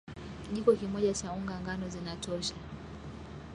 kijiko kimoja cha unga ngano kinatosha